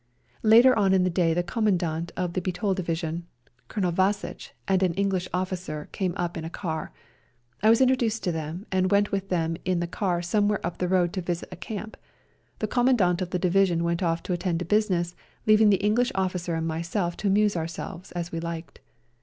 Later on in the day the Commandant of the Bitol Division, Colonel Wasitch, and an English officer came up in a car. I was introduced to them, and went with them in the car somewhere up the road to visit a camp. The Commandant of the division went off to attend to business, leaving the English officer and myself to amuse ourselves as we liked.